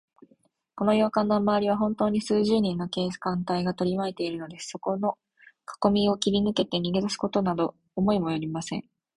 この洋館のまわりは、ほんとうに数十人の警官隊がとりまいているのです。そのかこみを切りぬけて、逃げだすことなど思いもおよびません。